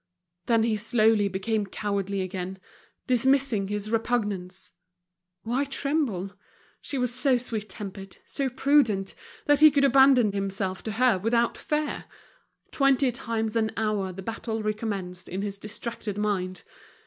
Then he slowly became cowardly again, dismissing his repugnance; why tremble? she was so sweet tempered, so prudent, that he could abandon himself to her without fear. Twenty times an hour the battle recommenced in his distracted mind.